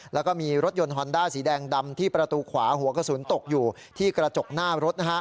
แล้วก็มีรถยนต์ฮอนด้าสีแดงดำที่ประตูขวาหัวกระสุนตกอยู่ที่กระจกหน้ารถ